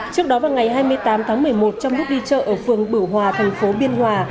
trước đó vào ngày hai mươi tám tháng một mươi một trong lúc đi chợ ở phường bửu hòa thành phố biên hòa